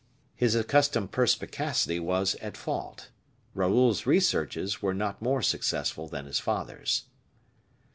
His accustomed perspicacity was at fault. Raoul's researches were not more successful than his father's.